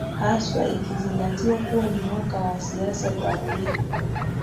haswa ikizingatiwa kuwa ni mwaka wa siasa za urithi